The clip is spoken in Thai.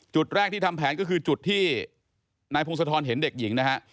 จุดแรกที่ทำแผนก็คือจุดที่นายพงศธรเห็นเด็กหญิงนะฮะ